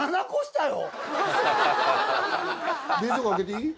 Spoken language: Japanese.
冷蔵庫開けていい？